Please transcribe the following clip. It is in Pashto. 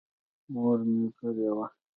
مور مې غلې وه.